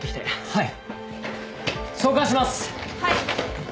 はい。